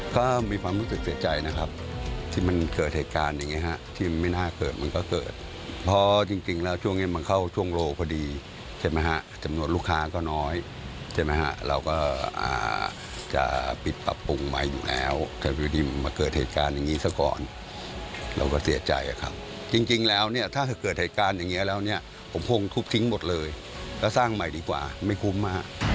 ทุบทิ้งหมดเลยแล้วสร้างใหม่ดีกว่าไม่คุ้มมา